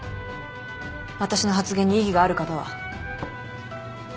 私の発言に異議がある方は？